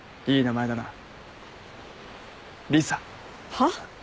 はっ？